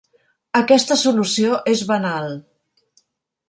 Aquesta solució és banal.